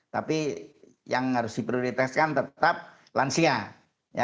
tapi yang harus diprioritaskan tetap lansia